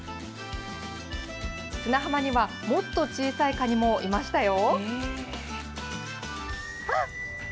砂浜には、もっと小さいカニもいましたよ。